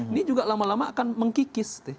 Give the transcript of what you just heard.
ini juga lama lama akan mengkikis